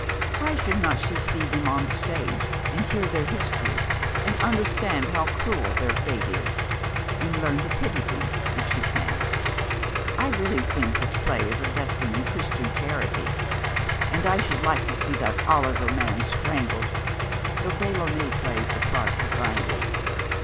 Why should not she see them on the stage, and hear their history, and understand how cruel their fate is, and learn to pity them, if she can? I really think this play is a lesson in Christian charity; and I should like to see that Oliver man strangled, though Delaunay plays the part divinely.